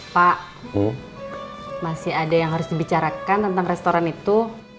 pak masih ada yang harus dibicarakan tentang restoran itu